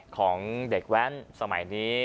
ของเด็กแว้นสมัยนี้